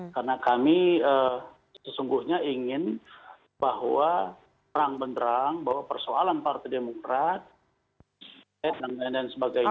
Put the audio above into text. karena kami sesungguhnya ingin bahwa terang benderang bahwa persoalan partai demokrat dan sebagainya